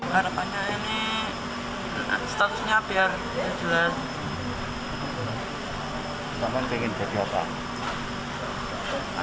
harapannya ini statusnya apa ya